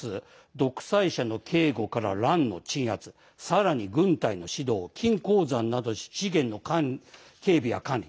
独裁者の警護から乱の鎮圧さらに軍隊の指導、金鉱山など資源の警備や管理。